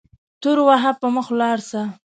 تور وهه په مخه ولاړ سه